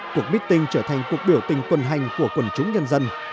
cuộc bít tinh trở thành cuộc biểu tình quần hành của quần chúng nhân dân